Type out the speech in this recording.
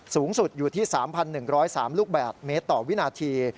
สูงสุดอยู่ที่๓๑๐๓ลูกบาทเมตรต่อวินาที